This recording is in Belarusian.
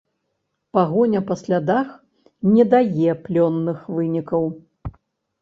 Пагоня па слядах не дае плённых вынікаў.